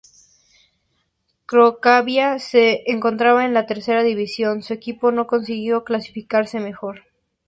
Cracovia se encontraba en la Tercera División, su equipo no consiguió clasificarse mejor.